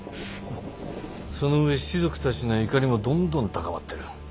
その上士族たちの怒りもどんどん高まってる。